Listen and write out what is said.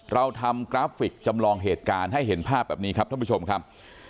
เราทำกราฟิกจำลองเหตุการณ์ให้เห็นภาพแบบนี้ครับท่านผู้ชมครับ